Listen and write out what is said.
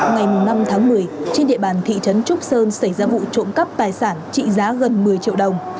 ngày năm tháng một mươi trên địa bàn thị trấn trúc sơn xảy ra vụ trộm cắp tài sản trị giá gần một mươi triệu đồng